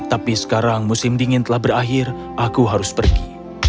tapi sekarang musim dingin telah berakhir aku harus pergi